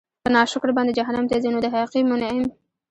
په ناشکر باندي جهنّم ته ځي؛ نو د حقيقي مُنعِم